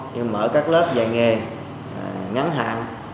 như mở các lớp dạy nghề ngắn hạn